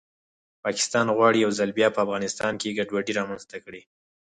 پاکستان غواړي یو ځل بیا په افغانستان کې ګډوډي رامنځته کړي